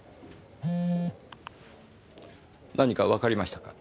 何かわかりましたか。